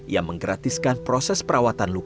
ia menggratiskan proses perawatan menurutnya